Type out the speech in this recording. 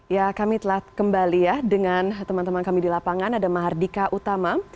ya kami telah kembali ya dengan teman teman kami di lapangan ada mahardika utama